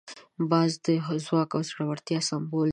باز د ځواک او زړورتیا سمبول دی